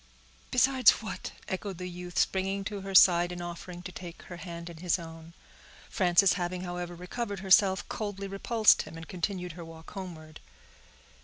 "Besides what?" echoed the youth, springing to her side, and offering to take her hand in his own. Frances having, however, recovered herself, coldly repulsed him, and continued her walk homeward.